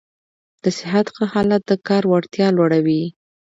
د صحت ښه حالت د کار وړتیا لوړوي.